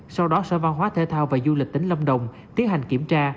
sau đó sở văn hóa thể thao và du lịch tỉnh lâm đồng tiến hành kiểm tra